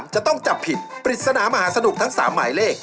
จะต้องจับผิดปริศนามหาสนุกทั้ง๓หมายเลข